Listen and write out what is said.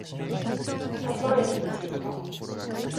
札幌駅に着いた